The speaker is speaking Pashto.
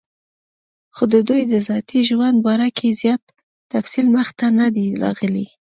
خو دَدوي دَذاتي ژوند باره کې زيات تفصيل مخې ته نۀ دی راغلی